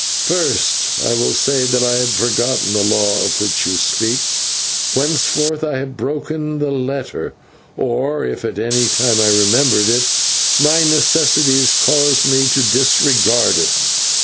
First, I will say that I had forgotten the law of which you speak, whereof I have broken the letter, or, if at any time I remembered it, my necessities caused me to disregard it.